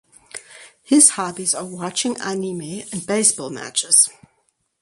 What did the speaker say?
His hobbies are watching anime and baseball matches.